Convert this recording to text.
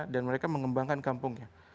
dan mereka mengembangkan kampungnya